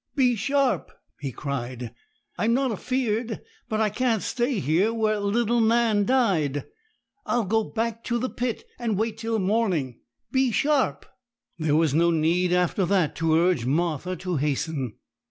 'Be sharp!' he cried. 'I'm not afeared; but I can't stay here where little Nan died. I'll go back to the pit, and wait till morning. Be sharp!' There was no need after that to urge Martha to hasten.